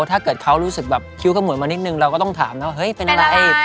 ถ้าเกิดเขารู้สึกแบบคิ้วขมุยมานิดนึงเราก็ต้องถามนะว่าเฮ้ยเป็นอะไร